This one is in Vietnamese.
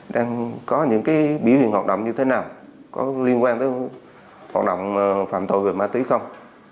đang có những biểu hiện hoạt động như thế nào có liên quan tới hoạt động phạm tội về ma túy không